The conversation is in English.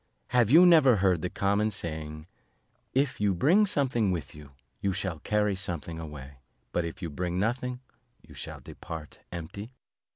have you never heard the common saying, 'If you bring something with you, you shall carry something away, but if you bring nothing, you shall depart empty?'"